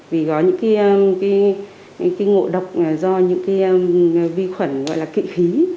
vì có những cái ngộ độc do những vi khuẩn gọi là kỵ khí